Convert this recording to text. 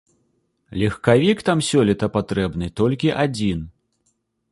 Легкавік там сёлета патрэбны толькі адзін.